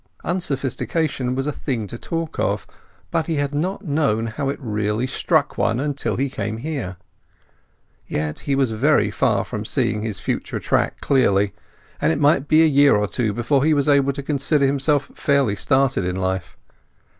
Unsophistication was a thing to talk of; but he had not known how it really struck one until he came here. Yet he was very far from seeing his future track clearly, and it might be a year or two before he would be able to consider himself fairly started in life.